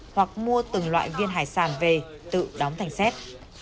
hoặc mua từng loại viên hải sản về tự đóng thành xét